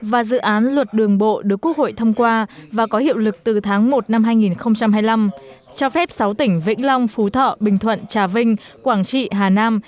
và dự án luật đường bộ được quốc hội thông qua và có hiệu lực từ tháng một năm hai nghìn hai mươi năm cho phép sáu tỉnh vĩnh long phú thọ bình thuận trà vinh quảng trị hà nam